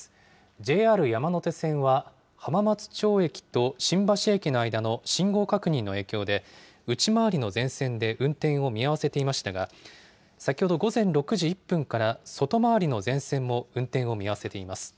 ＪＲ山手線は、浜松町駅と新橋駅の間の信号確認の影響で、内回りの全線で運転を見合わせていましたが、先ほど午前６時１分から、外回りの全線も運転を見合わせています。